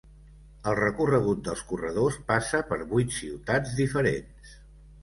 El recorregut dels corredors passa per vuit ciutats diferents.